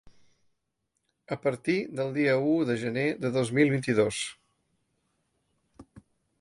A partir del dia u de gener de dos mil vint-i-dos.